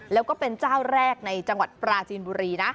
แล้วก็เป็นเจ้าแรกในจังหวัดปราจีนบุรีนะ